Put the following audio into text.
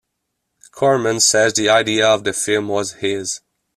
Corman says the idea of the film was his.